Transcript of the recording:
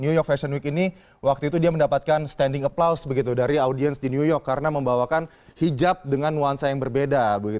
new york fashion week ini waktu itu dia mendapatkan standing aplause dari audiens di new york karena membawakan hijab dengan nuansa yang berbeda